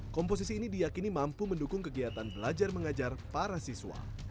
komposisi ini diakini mampu mendukung kegiatan belajar mengajar para siswa